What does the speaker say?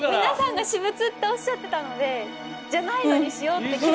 皆さんが私物っておっしゃってたのでじゃないのにしようって。